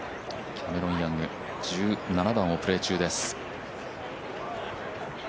キャメロン・ヤング、１７番をプレー中です。